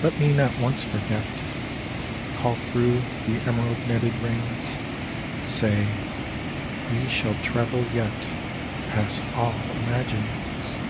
Let me not once forget. Call through the emerald netted rains, Say, We shall travel yet Past all imagmmgs.